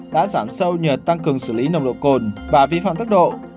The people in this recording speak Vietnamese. đã giảm sâu nhờ tăng cường xử lý nồng độ cồn và vi phạm tốc độ